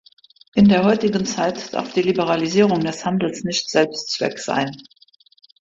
In der heutigen Zeit darf die Liberalisierung des Handels nicht Selbstzweck sein.